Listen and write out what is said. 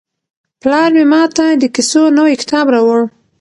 پلار مې ماته د کیسو نوی کتاب راوړ.